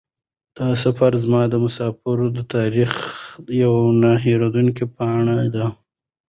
دا سفر زما د مسافرۍ د تاریخ یوه نه هېرېدونکې پاڼه وه.